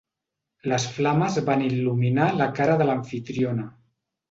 Les flames van il·luminar la cara de l'amfitriona.